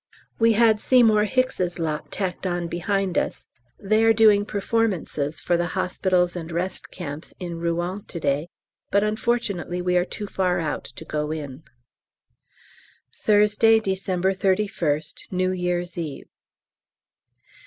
We had Seymour Hicks' lot tacked on behind us; they are doing performances for the Hospitals and Rest camps in Rouen to day, but unfortunately we are too far out to go in. _Thursday, December 31st, New Year's Eve.